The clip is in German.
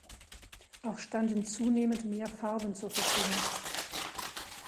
Auch standen zunehmend mehr Farben zur Verfügung.